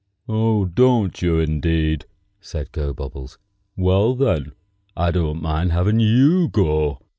"Oh, don't you, indeed!" said Gobobbles. "Well, then, I don't mind having you go!"